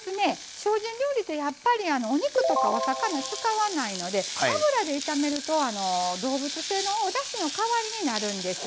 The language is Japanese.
精進料理ってやっぱり、お肉とかお魚使わないので、油で炒めると動物性のおだしの代わりになるんです。